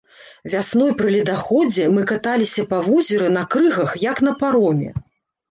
Вясной пры ледаходзе мы каталіся па возеры на крыгах, як на пароме.